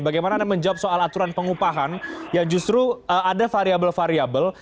bagaimana anda menjawab soal aturan pengupahan yang justru ada variable variable